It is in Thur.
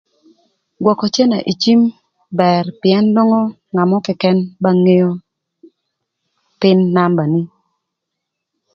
Gwökö cënë ï cim bër pïën nwongo ngat mörö këkën ba ngeo pïn nambani.